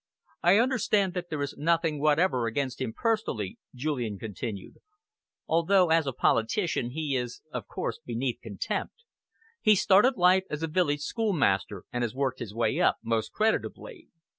"I understand that there is nothing whatever against him personally," Julian continued, "although as a politician he is of course beneath contempt. He started life as a village schoolmaster and has worked his way up most creditably.